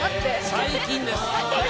最近です。